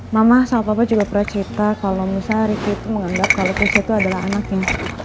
mama sama papa juga pernah cerita kalau nusa riki itu menggambar kalau nusa itu adalah anaknya